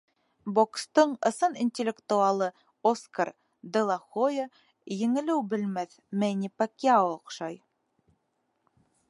— Бокстың ысын интеллектуалы Оскар Де Ла Хойя, еңелеү белмәҫ Мэнни Пакьяо оҡшай.